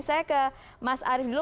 saya ke mas arief dulu